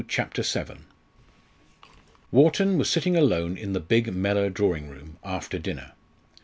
CHAPTER VII. Wharton was sitting alone in the big Mellor drawing room, after dinner.